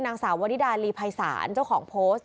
นางสาววริดาลีภัยศาลเจ้าของโพสต์